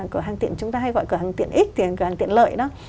cửa hàng tiện chúng ta hay gọi cửa hàng tiện ích thì là cửa hàng tiện lợi đó